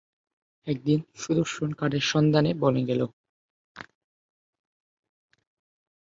একদিন সুদর্শন কাঠের সন্ধানে বনে গেল।